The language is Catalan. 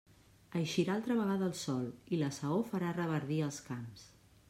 Eixirà altra vegada el sol i la saó farà reverdir els camps.